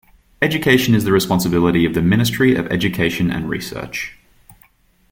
Education is the responsibility of the Ministry of Education and Research.